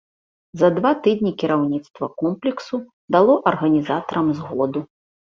За два тыдні кіраўніцтва комплексу дало арганізатарам згоду.